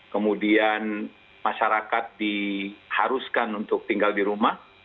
kemudian masyarakat diharuskan untuk tinggal di rumah